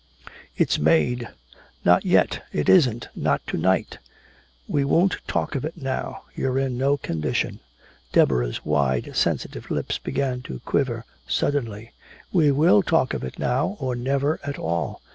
"It's made!" "Not yet, it isn't, not to night. We won't talk of it now, you're in no condition." Deborah's wide sensitive lips began to quiver suddenly: "We will talk of it now, or never at all!